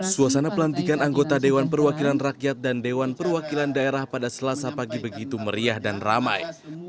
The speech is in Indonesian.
suasana pelantikan anggota dewan perwakilan rakyat dan dewan perwakilan daerah pada selasa pagi begitu meriah dan ramai